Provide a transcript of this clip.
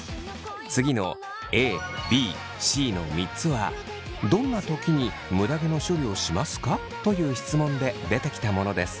次のＡＢＣの３つは「どんな時にむだ毛の処理をしますか？」という質問で出てきたものです。